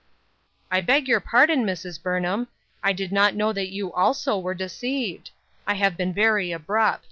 " "I beg your pardon, Mrs. Burnham; I did not know that you also were deceived ; I have been very abrupt."